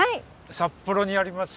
札幌にあります